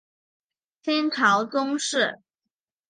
清朝宗室。